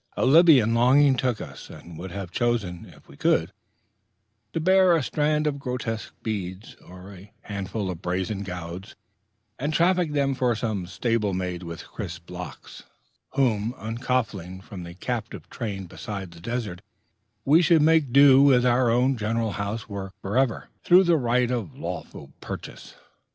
A Libyan longing took us, and we would have chosen, if we could, to bear a strand of grotesque beads, or a handful of brazen gauds, and traffic them for some sable maid with crisp locks, whom, uncoffling from the captive train beside the desert, we should make to do our general housework forever, through the right of lawful purchase.